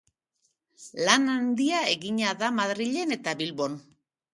Lan handia egina da Madrilen eta Bilbon.